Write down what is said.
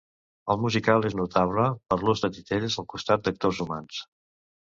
El musical és notable per l'ús de titelles al costat d'actors humans.